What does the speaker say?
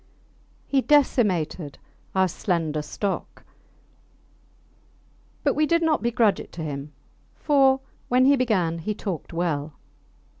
He decimated our slender stock; but we did not begrudge it to him, for, when he began, he talked well.